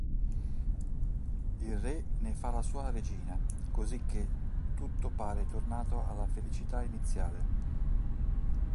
Il re ne fa la sua regina, cosicché tutto pare tornato alla felicità iniziale.